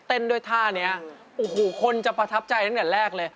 ด้วยท่านี้โอ้โหคนจะประทับใจตั้งแต่แรกเลย